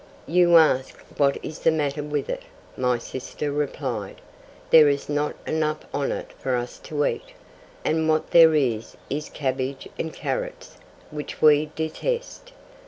'You ask what is the matter with it,' my sister replied; 'there is not enough on it for us to eat, and what there is is cabbage and carrots, which we detest.'